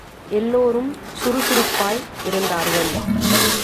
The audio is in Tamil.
எல்லோரும் சுறுசுறுப்பாய் இருந்தார்கள்.